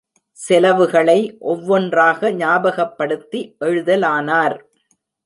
செலவுகளை ஒவ்வொன்றாக ஞாபகப்படுத்தி எழுதலானார்.